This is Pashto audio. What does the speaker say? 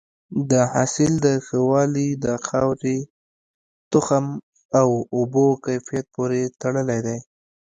د حاصل ښه والی د خاورې، تخم او اوبو کیفیت پورې تړلی دی.